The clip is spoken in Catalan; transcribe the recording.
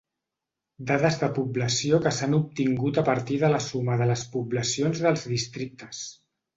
Dades de població que s'han obtingut a partir de la suma de les poblacions dels districtes.